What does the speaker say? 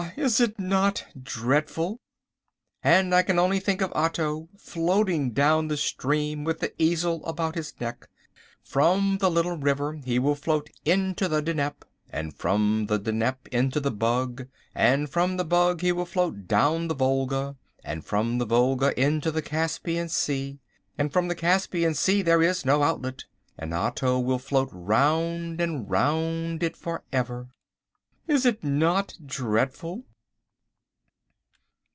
Is it not dreadful? And I can only think of Otto floating down the stream with the easel about his neck. From the little river he will float into the Dnieper, and from the Dnieper into the Bug, and from the Bug he will float down the Volga, and from the Volga into the Caspian Sea. And from the Caspian Sea there is no outlet, and Otto will float round and round it for ever. Is it not dreadful?